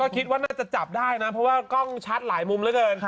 คิดว่าน่าจะจับได้นะเพราะว่ากล้องชัดหลายมุมเหลือเกิน